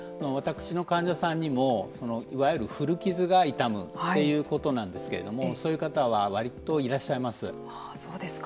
私の患者さんにもいわゆる古傷が痛むということなんですけれどもそういう方は割といらっしゃいます。